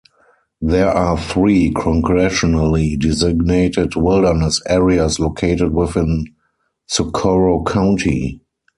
There are three congressionally designated Wilderness areas located within Socorro County.